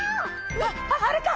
ああれか。